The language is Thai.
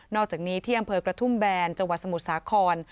อกจากนี้ที่อำเภอกระทุ่มแบนจังหวัดสมุทรสาคร